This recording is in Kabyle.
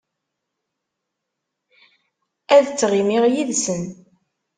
Ad ttɣimiɣ yid-sen.